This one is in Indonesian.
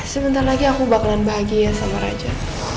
sebentar lagi aku bakalan bahagia sama raja